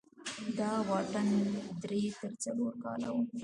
دا واټن درې تر څلور کاله و.